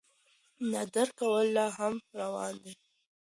نه درک کول لا هم روان دي.